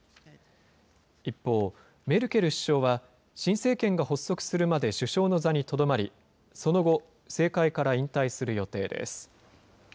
一方、メルケル首相は、新政権が発足するまで首相の座にとどまり、その後、政界から引退する予定です。